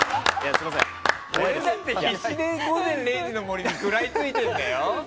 俺だって必死に「午前０時の森」に食らいついてるんだよ！